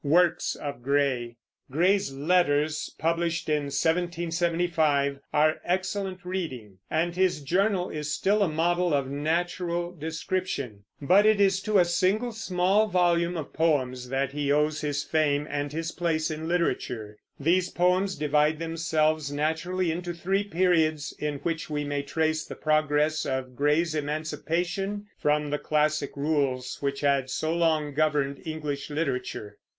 WORKS OF GRAY. Gray's Letters, published in 1775, are excellent reading, and his Journal is still a model of natural description; but it is to a single small volume of poems that he owes his fame and his place in literature. These poems divide themselves naturally into three periods, in which we may trace the progress of Gray's emancipation from the classic rules which had so long governed English literature.